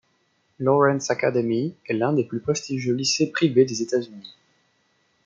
Lawrence Academy, est l'un des plus prestigieux lycées privés des États-Unis.